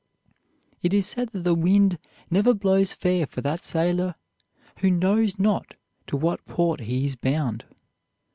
It is said that the wind never blows fair for that sailor who knows not to what port he is bound.